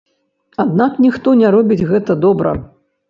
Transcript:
Аднак ніхто не робіць гэта добра!